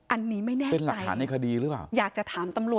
อันนี้ไม่แน่ใจเป็นหลักฐานในคดีหรือเปล่า